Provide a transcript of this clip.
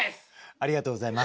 ありがとうございます。